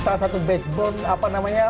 salah satu backbone